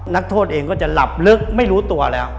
นักโทษเองก็จะหลับลึกไม่รู้ตัวแล้ว